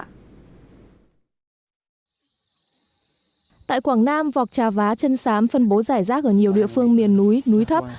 tại quảng nam vọc trà vá chân sám phân bố giải rác ở nhiều địa phương miền núi núi thấp